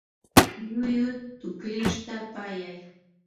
llullu tuklishta pallay.